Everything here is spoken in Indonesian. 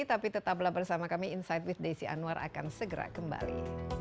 tapi tetaplah bersama kami insight with desi anwar akan segera kembali